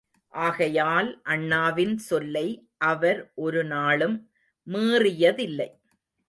ஆகையால், அண்ணாவின் சொல்லை அவர் ஒரு நாளும் மீறியதில்லை.